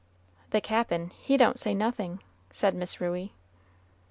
"The Cap'n, he don't say nothin'," said Miss Ruey.